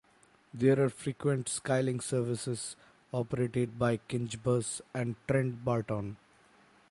There are frequent Skylink services operated by Kinchbus and Trent Barton.